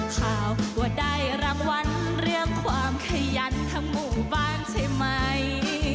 ข่าวว่าได้รางวัลเรื่องความขยันทั้งหมู่บ้านใช่ไหม